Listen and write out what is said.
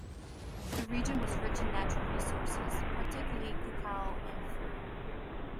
The region was rich in natural resources, particularly cacao and fruit.